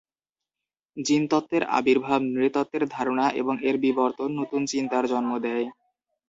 জিনতত্ত্বের আবির্ভাব, নৃতত্ত্বের ধারণা এবং এর বিবর্তন নতুন চিন্তার জন্ম দেয়।